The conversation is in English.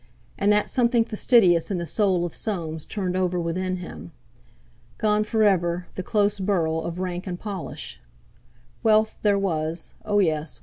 And that something fastidious in the soul of Soames turned over within him. Gone forever, the close borough of rank and polish! Wealth there was—oh, yes!